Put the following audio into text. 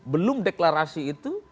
belum deklarasi itu